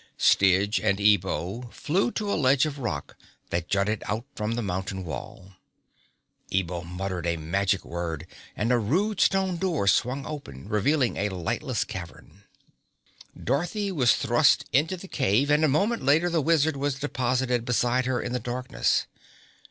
Styg and Ebo flew to a ledge of rock that jutted out from the mountain wall. Ebo muttered a magic word, and a rude stone door swung open, revealing a lightless cavern. Dorothy was thrust into the cave, and a moment later the Wizard was deposited beside her in the darkness.